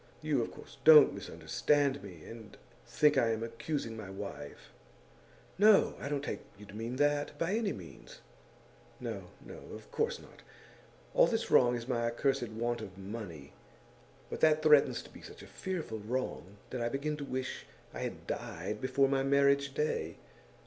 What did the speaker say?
You, of course, don't misunderstand me, and think I am accusing my wife.' 'No, I don't take you to mean that, by any means.' 'No, no; of course not. All that's wrong is my accursed want of money. But that threatens to be such a fearful wrong, that I begin to wish I had died before my marriage day.